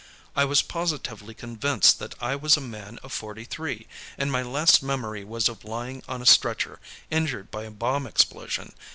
"I was positively convinced that I was a man of forty three, and my last memory was of lying on a stretcher, injured by a bomb explosion.